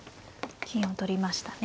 金を取りましたね。